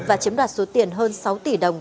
và chiếm đoạt số tiền hơn sáu tỷ đồng